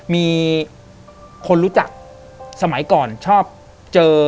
มีคนรู้จักสมัยก่อนชอบเจอ